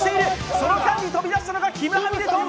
その間に飛び出したのがキム・ハミルトン。